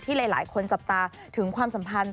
หลายคนจับตาถึงความสัมพันธ์